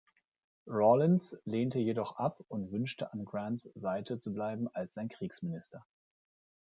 Rawlins lehnte jedoch ab und wünschte an Grants Seite zu bleiben als sein Kriegsminister.